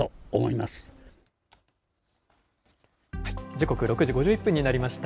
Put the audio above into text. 時刻６時５１分になりました。